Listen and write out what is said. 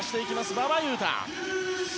馬場雄大。